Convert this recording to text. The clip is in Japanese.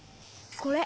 これ！